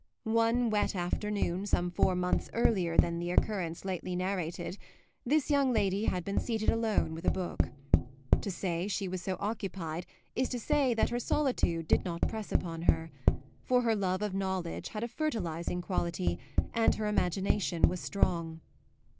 One wet afternoon, some four months earlier than the occurrence lately narrated, this young lady had been seated alone with a book. To say she was so occupied is to say that her solitude did not press upon her; for her love of knowledge had a fertilising quality and her imagination was strong.